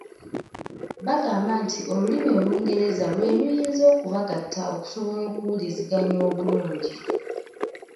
Bagamba nti olulimi Olungereza lwe luyinza okubagatta okusobola okuwuliziganya obulungi.